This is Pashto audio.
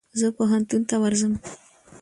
زه پوهنتون ته ورځم.